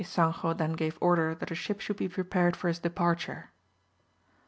Ysanjo then gave order that a ship should be prepared for his departure.